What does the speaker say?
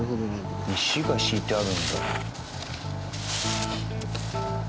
石が敷いてあるんだ。